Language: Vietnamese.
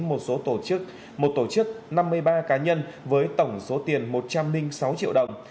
một số tổ chức một tổ chức năm mươi ba cá nhân với tổng số tiền một trăm linh sáu triệu đồng